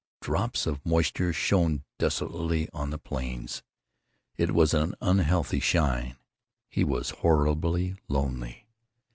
Drops of moisture shone desolately on the planes. It was an unhealthy shine. He was horribly lonely.